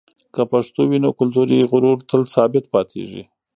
که پښتو وي، نو کلتوري غرور تل ثابت پاتېږي.